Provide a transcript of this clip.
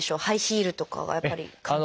ハイヒールとかがやっぱり。